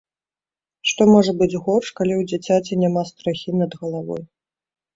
Што можа быць горш, калі ў дзіцяці няма страхі над галавой.